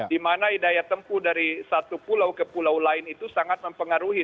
di mana hidaya tempuh dari satu pulau ke pulau lain itu sangat mempengaruhi